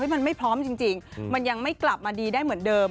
มันไม่พร้อมจริงมันยังไม่กลับมาดีได้เหมือนเดิม